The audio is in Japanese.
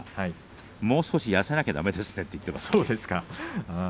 もう少し痩せなきゃだめですねとも言っていました。